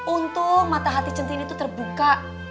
untung mata hati centini itu terbuka